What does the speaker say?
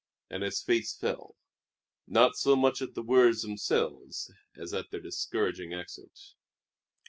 And his face fell not so much at the words themselves as at their discouraging accent.